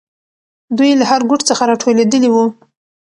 دوی له هر ګوټ څخه راټولېدلې وو.